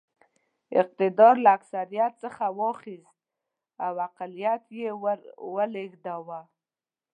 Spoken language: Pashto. اقتدار له اکثریت څخه واخیست او اقلیت ته یې ور ولېږداوه.